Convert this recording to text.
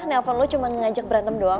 nelfon lo cuma ngajak berantem doang